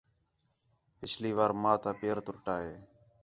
پِچھلی وار ماں تا پیر تُرُٹا ہے